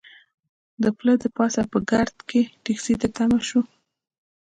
د پله د پاسه په ګرد کې ټکسي ته په تمه شوو.